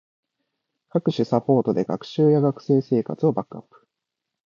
各種サポートで学習や学生生活をバックアップ